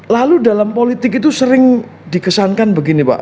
lalu dalam politik itu sering dikesankan begini pak